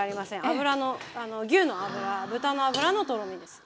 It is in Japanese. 脂の牛の脂豚の脂のとろみです。